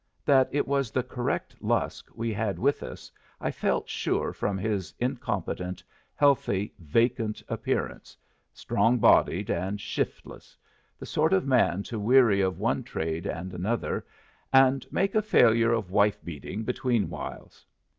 That it was the correct Lusk we had with us I felt sure from his incompetent, healthy, vacant appearance, strong bodied and shiftless the sort of man to weary of one trade and another, and make a failure of wife beating between whiles.